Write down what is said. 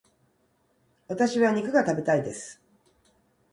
私は肉が食べたいです。